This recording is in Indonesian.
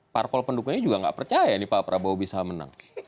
parpol pendukungnya juga nggak percaya nih pak prabowo bisa menang